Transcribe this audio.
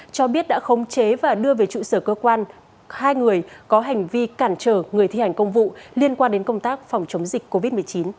cho biết đã khống chế và đưa về trụ sở cơ quan hai người có hành vi cản trở người thi hành công vụ liên quan đến công tác phòng chống dịch covid một mươi chín